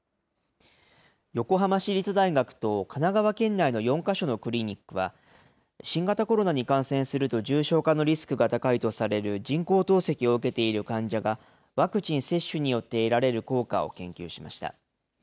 横浜市立大学と神奈川県内の４か所のクリニックは、新型コロナに感染すると重症化のリスクが高いとされる人工透析を受けている患者が、ワクチン接種によって得られる効果を研究しました。